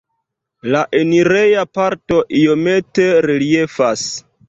La enireja parto iomete reliefas.